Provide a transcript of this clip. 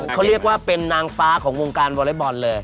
เขาเรียกว่าเป็นนางฟ้าของวงการวอเล็กบอลเลย